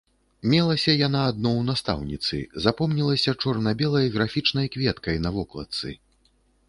Мелася яна адно ў настаўніцы, запомнілася чорна-белай графічнай кветкай на вокладцы.